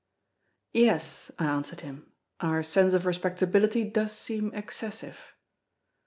"Yes," I answered him, "our sense of respectability does seem excessive."